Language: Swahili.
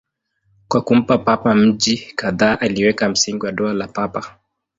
Kwa kumpa Papa miji kadhaa, aliweka msingi wa Dola la Papa.